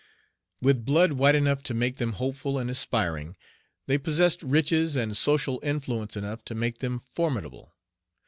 With blood white enough to make them hopeful and aspiring, they possessed riches and social influence enough to make them formidable.